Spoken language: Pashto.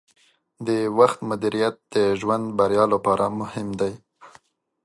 د وخت مدیریت د ژوند بریا لپاره مهم دی.